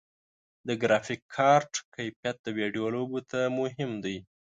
د ګرافیک کارت کیفیت د ویډیو لوبو ته مهم دی.